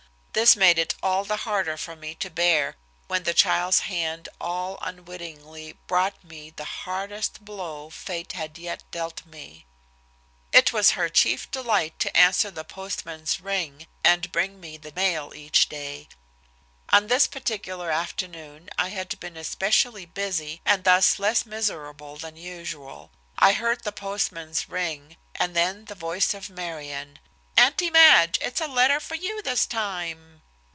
This made it all the harder for me to bear when the child's hand all unwittingly brought me the hardest blow Fate had yet dealt me. It was her chief delight to answer the postman's ring, and bring me the mail each day. On this particular afternoon I had been especially busy, and thus less miserable than usual. I heard the postman's ring, and then the voice of Marion. "Auntie Madge, it's a letter for you this time."